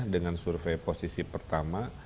dengan survei posisi pertama